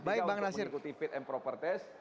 bagaimana mengikuti fit and proper test